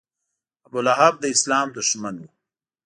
ابولهب د اسلام دښمن و.